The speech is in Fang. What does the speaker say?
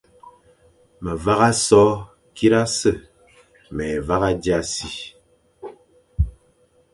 Me vagha so kirase, mé vagha dia si,